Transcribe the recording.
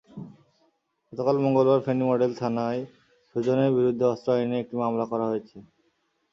গতকাল মঙ্গলবার ফেনী মডেল থানায় সুজনের বিরুদ্ধে অস্ত্র আইনে একটি মামলা করা হয়েছে।